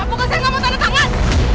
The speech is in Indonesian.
pokoknya saya nggak mau tanda tangan